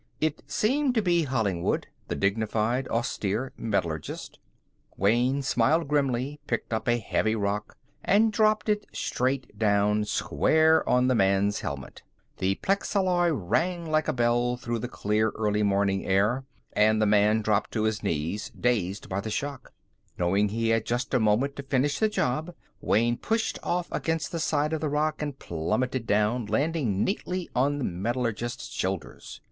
It seemed to be Hollingwood, the dignified, austere metallurgist. Wayne smiled grimly, picked up a heavy rock, and dropped it straight down, square on the man's helmet. The plexalloy rang like a bell through the clear early morning air, and the man dropped to his knees, dazed by the shock. Knowing he had just a moment to finish the job, Wayne pushed off against the side of the rock and plummeted down, landing neatly on the metallurgist's shoulders.